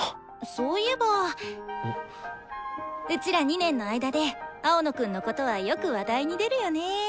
そういえばうちら２年の間で青野くんのことはよく話題に出るよね。